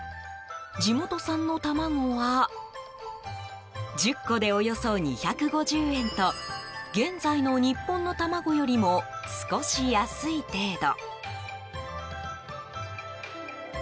地元産の卵は１０個でおよそ２５０円と現在の日本の卵よりも少し安い程度。